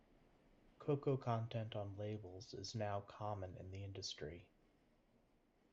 Cacao content on labels is now common in the industry.